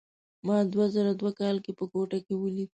ما دوه زره دوه کال کې په کوټه کې ولید.